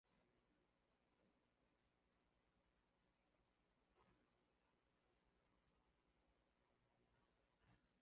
kwenye pwani ya mashariki ya Amerika ya Kaskazini tangu karne ya